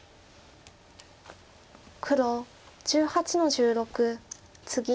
黒１８の十六ツギ。